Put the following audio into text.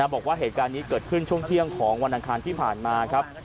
บอกว่าเหตุการณ์นี้เกิดขึ้นช่วงเที่ยงของวันอังคารที่ผ่านมาครับ